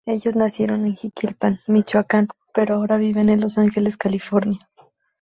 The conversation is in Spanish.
Ellos nacieron en Jiquilpan, Michoacán, pero ahora viven en Los Ángeles, California.